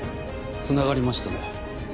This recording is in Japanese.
つながりましたね。